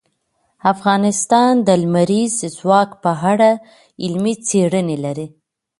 افغانستان د لمریز ځواک په اړه علمي څېړنې لري.